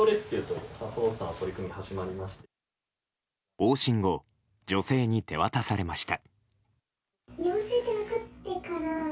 往診後、女性に手渡されました。